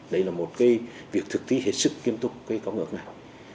đấy là một cái việc thực thi hết sức kiêm túc cái công ước này